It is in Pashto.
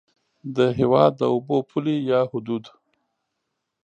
د هېواد د اوبو پولې یا حدود